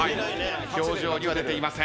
表情には出ていません。